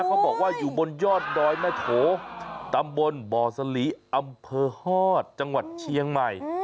เขาบอกว่าอยู่บนยอดดอยแม่โถตำบลบ่อสลีอำเภอฮอตจังหวัดเชียงใหม่